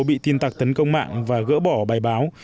bị tin tặc tấn công mạng và gỡ bỏ bài báo